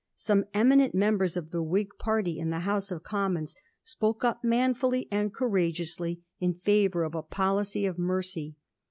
Some eminent members of the Whig party in the House of Commons spoke up manfiilly and courageously in favour of a policy of mercy.